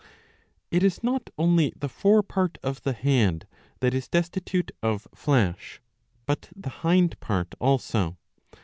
It is not only the fore part of the head that is destitute of flesh, but the hind part also.